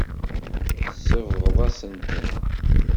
Tsebɣeḍ-asent-ten.